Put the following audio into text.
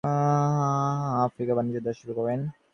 তিনি আফ্রিকা উপকূলে দাস বাণিজ্য শুরু করেন।